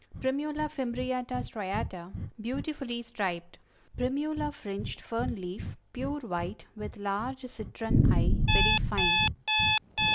Primula Fimbriata Striata; beautifully striped. Primula Fringed, Fern Leaf; pure white, with large citron eye; very fine.